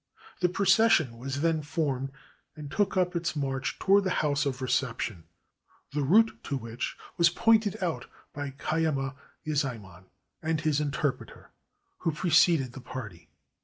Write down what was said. The procession was then formed and took up its march toward the house of reception, the route to which was pointed out by Kayama Yezaiman and his interpreter, who preceded the party.